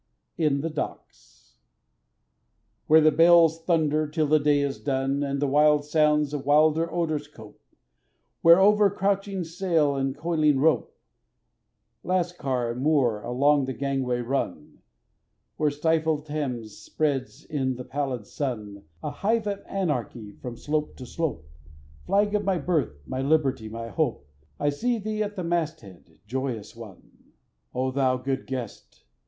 In the Docks WHERE the bales thunder till the day is done, And the wild sounds with wilder odors cope; Where over crouching sail and coiling rope, Lascar and Moor along the gangway run; Where stifled Thames spreads in the pallid sun, A hive of anarchy from slope to slope; Flag of my birth, my liberty, my hope, I see thee at the masthead, joyous one! O thou good guest!